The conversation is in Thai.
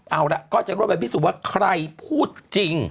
เอาล่ะก็จะรวดไปพิสูจน์ว่าใครพูดจริง